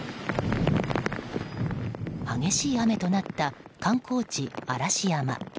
激しい雨となった観光地・嵐山。